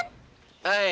ada apa sih claude